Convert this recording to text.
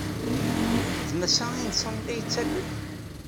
D Massa Hansson ay la yettalel?